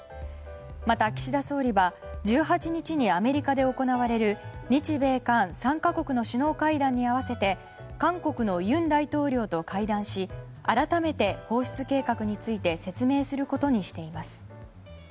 また、岸田総理は１８日にアメリカで行われる日米韓３か国の首脳会談に合わせて韓国の尹大統領と会談し改めて放出計画について説明することにしています。